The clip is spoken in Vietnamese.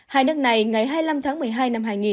hai nước này ngày hai mươi năm tháng một mươi hai năm hai nghìn